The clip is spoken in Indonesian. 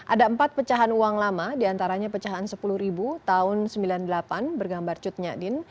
ada empat pecahan uang lama diantaranya pecahan rp sepuluh tahun seribu sembilan ratus sembilan puluh delapan bergambar cut nyakdin